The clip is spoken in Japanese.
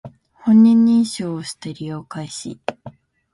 本人認証をして利用開始